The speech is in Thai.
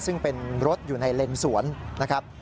ซึ่งเป็นรถอยู่ในเลนสวนนะครับ